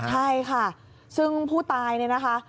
ใช่ค่ะซึ่งผู้ตายเนี่ยนะคะ